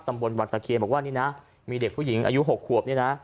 ตำบลวังตะเคบอกว่านี่นะมีเด็กผู้หญิงอายุ๖ควบ